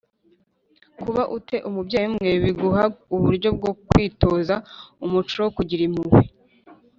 Kuba u te umubyeyi umwe biguha uburyo bwo kwitoza umuco wo kugira impuhwe